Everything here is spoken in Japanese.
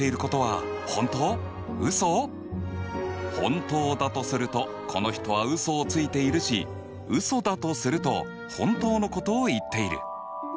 本当だとするとこの人はウソをついているしウソだとすると本当のことを言っている。